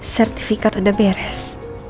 sertifikat udah beres